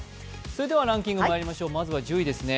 それではランキングにまいりましょう、まずは１０位ですね